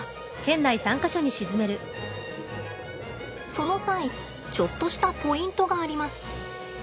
その際ちょっとしたポイントがあります。